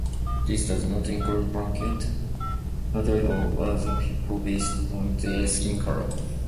This does not include blanket hatred of other people based on their skin colour.